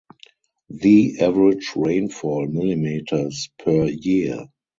The average rainfall millimeters per year.